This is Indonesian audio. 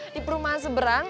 di perumahan seberang